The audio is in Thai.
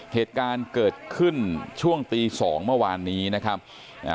เหตุการณ์เกิดขึ้นช่วงตีสองเมื่อวานนี้นะครับอ่า